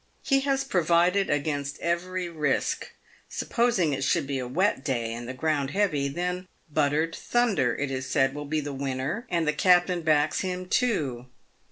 He has provided against every risk. Supposing it should be a wet day and the ground heavy, then Buttered Thunder, it is said, will be the winner, and the captain backs him, too.